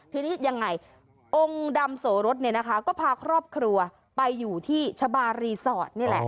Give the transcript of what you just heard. ทีนี้ยังไงองค์ดำโสรสเนี่ยนะคะก็พาครอบครัวไปอยู่ที่ชะบารีสอร์ทนี่แหละ